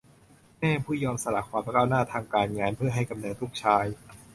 แม่ผู้ยอมสละความก้าวหน้าทางการงานเพื่อให้กำเนิดลูกชาย